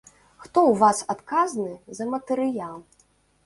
Хто ў вас адказны за матэрыял?